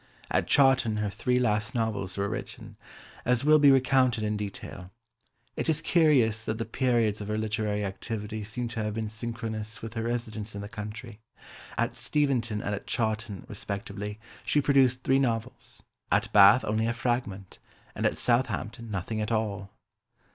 At Chawton her three last novels were written, as will be recounted in detail. It is curious that the periods of her literary activity seem to have been synchronous with her residence in the country; at Steventon and at Chawton respectively she produced three novels; at Bath only a fragment, and at Southampton nothing at all.